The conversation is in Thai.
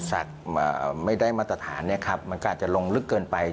สัตว์ไม่ได้มาตรฐานมันก็อาจจะลงลึกเกินไป